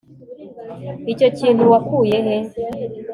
icyo kintu wakuye he